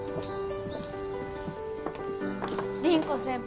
凛子先輩